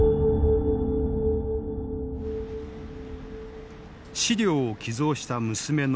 資料を寄贈した娘の李南央。